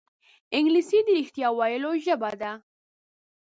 انګلیسي د رښتیا ویلو ژبه ده